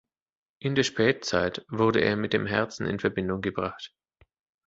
In der Spätzeit wurde er mit dem Herzen in Verbindung gebracht.